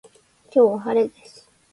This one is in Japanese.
今日は晴れです